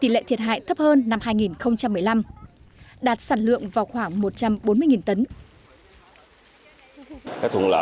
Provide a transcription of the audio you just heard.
tỷ lệ thiệt hại thấp hơn năm hai nghìn một mươi năm đạt sản lượng vào khoảng một trăm bốn mươi tấn